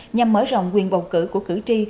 nhằm mở rộng quyền bầu cử của cử tri